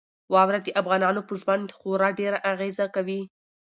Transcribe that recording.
واوره د افغانانو په ژوند خورا ډېره اغېزه کوي.